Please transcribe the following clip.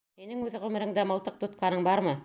Һинең үҙ ғүмереңдә мылтыҡ тотҡаның бармы?